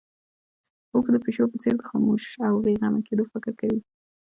اوښ د پيشو په څېر د خاموش او بې غمه کېدو فکر کوي.